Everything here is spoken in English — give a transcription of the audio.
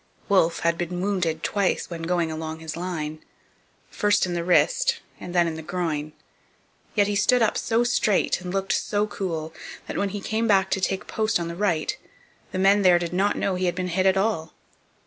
Wolfe had been wounded twice when going along his line; first in the wrist and then in the groin. Yet he stood up so straight and looked so cool that when he came back to take post on the right the men there did not know he had been hit at all.